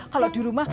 kalau di rumah